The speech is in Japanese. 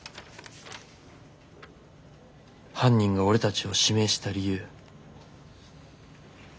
犯人が俺たちを指名した理由。